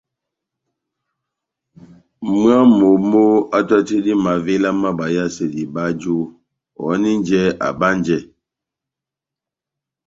Mwána wa momó átátidi mavéla má bayasedi báju, oháyɛnɛjɛ abánjɛ,